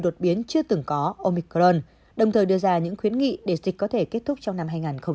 đột biến chưa từng có omicron đồng thời đưa ra những khuyến nghị để dịch có thể kết thúc trong năm